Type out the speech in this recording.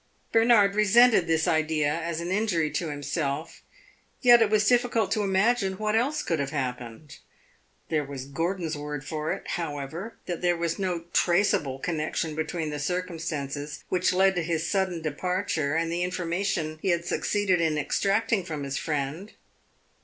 Bernard resented this idea as an injury to himself, yet it was difficult to imagine what else could have happened. There was Gordon's word for it, however, that there was no "traceable" connection between the circumstances which led to his sudden departure and the information he had succeeded in extracting from his friend.